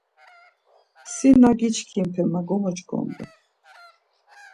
Si na giçkinpe ma gomoç̌ǩondu.